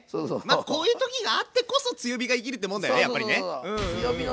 まあこういう時があってこそ強火が生きるってもんだよねやっぱりね。